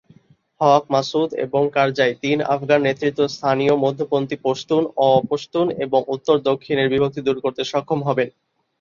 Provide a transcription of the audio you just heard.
হক, মাসউদ, এবং কারজাই, তিন আফগান নেতৃস্থানীয় মধ্যপন্থী পশতুন, অ-পশতুন এবং উত্তর ও দক্ষিণের বিভক্তি দুর করতে সক্ষম হবেন।""